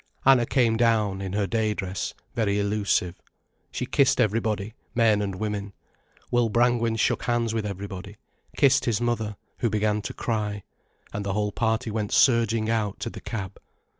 Anna came down, in her day dress, very elusive. She kissed everybody, men and women, Will Brangwen shook hands with everybody, kissed his mother, who began to cry, and the whole party went surging out to the cab.